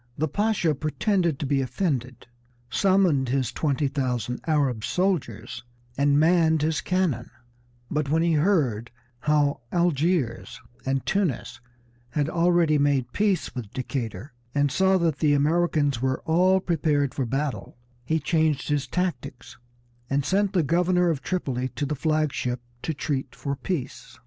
The Pasha pretended to be offended, summoned his twenty thousand Arab soldiers and manned his cannon; but when he heard how Algiers and Tunis had already made peace with Decatur, and saw that the Americans were all prepared for battle, he changed his tactics and sent the governor of Tripoli to the flag ship to treat for peace.